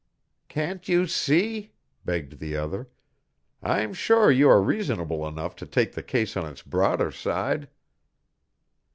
"Can't you see?" begged the other. "I'm sure you are reasonable enough to take the case on its broader side."